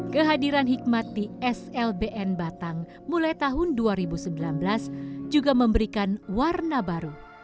kehadiran hikmat di slbn batang mulai tahun dua ribu sembilan belas juga memberikan warna baru